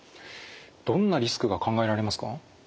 どんなリスクが考えられますか？